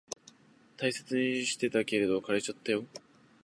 大切にしてたけど、枯れちゃったよ。